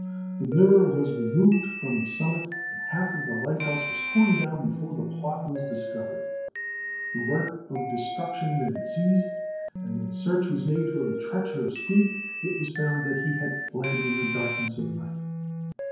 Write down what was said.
The mirror was removed from the summit and half of the lighthouse was torn down before the plot was discovered. The work of destruction then ceased, and when search was made for the treacherous THE PHAROS OF ALEXANDRIA 185 Greek, it was found that he had fled in the dark ness of night